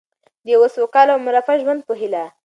د یو سوکاله او مرفه ژوند په هیله.